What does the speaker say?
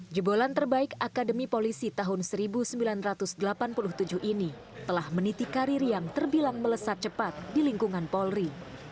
jebolan terbaik akademi polisi tahun seribu sembilan ratus delapan puluh tujuh ini telah meniti karir yang terbilang melesat cepat di lingkungan polri